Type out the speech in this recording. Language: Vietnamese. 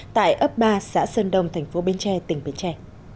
tại ấp ba xã sơn đông thành phố bến tre tỉnh bến tre